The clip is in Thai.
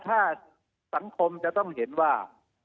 ถ้าสังคมจะต้องเห็นว่า